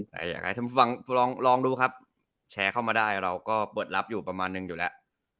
แต่อยากให้ท่านผู้ฟังลองดูครับแชร์เข้ามาได้เราก็เปิดรับอยู่ประมาณนึงอยู่แล้ว